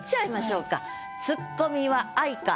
「ツッコミは愛か」